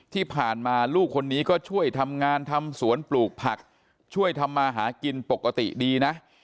ที่ผ่านมาลูกคนนี้ก็ช่วยทำงานทำสวนปลูกผักช่วยทำมาหากินปกติดีนะ